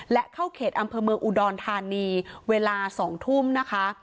และเข้าเขตอำเภอเมืองอุดรธานีเวลา๒ทุ่มนะคะ